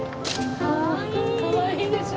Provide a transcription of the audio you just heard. かわいいでしょ？